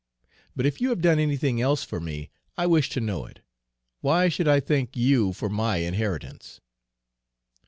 But if you have done anything else for me, I wish to know it. Why should I thank you for my inheritance?"